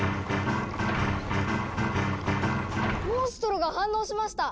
モンストロが反応しました！